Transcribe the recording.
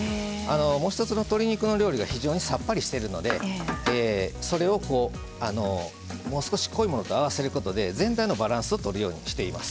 もう一つの鶏肉の料理が非常にさっぱりしているのでそれをもう少し濃いものと合わせることで全体のバランスをとるようにしています。